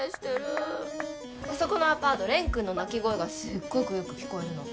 あそこのアパート蓮くんの泣き声がすっごくよく聞こえるの。